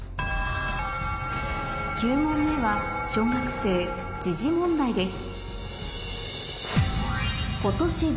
９問目は小学生問題です